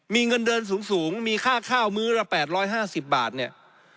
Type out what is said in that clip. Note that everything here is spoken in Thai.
มีเงินเดินสูงมีค่าข้าวมื้อละ๘๕๐บาทเนี่ย